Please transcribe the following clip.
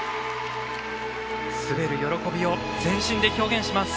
滑る喜びを全身で表現します。